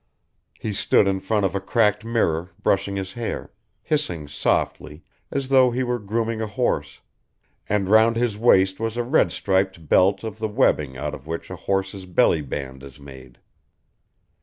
He stood in front of a cracked mirror brushing his hair, hissing softly, as though he were grooming a horse, and round his waist was a red striped belt of the webbing out of which a horse's belly band is made.